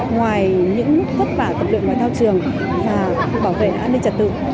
ngoài những thất vả tập luyện ngoại thao trường và bảo vệ an ninh trật tự